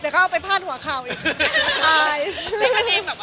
เดี๋ยวก็เอาไปพาดหัวเข่าอีก